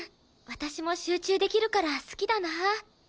私も集中できるから好きだな。